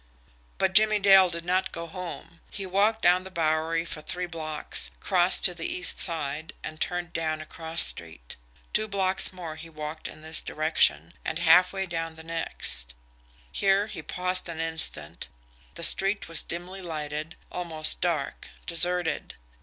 But Jimmie Dale did not go home. He walked down the Bowery for three blocks, crossed to the east side, and turned down a cross street. Two blocks more he walked in this direction, and halfway down the next. Here he paused an instant the street was dimly lighted, almost dark, deserted.